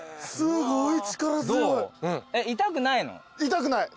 痛くないの？